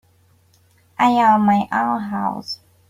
I own my own house.